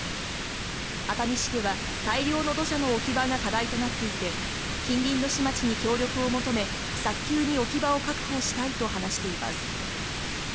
熱海市では大量の土砂の置き場が課題となっていて近隣の市町に協力を求め早急に置き場を確保したいと話しています。